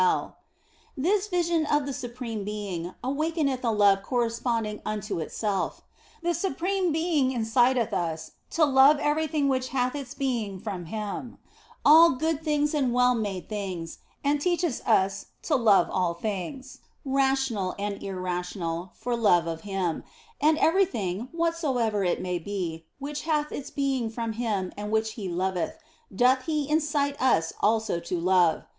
130 THE BLESSED ANGELA This vision of the Supreme Being awakeneth a love corresponding unto itself. The Supreme Being inciteth us to love everything which hath its being from Him, all good things and well made things, and teacheth us to love all creatures, rational and irrational, for love of Him ; and everything, whatsoever it may be, which hath its being from Him and which He loveth, doth He incite us also to love.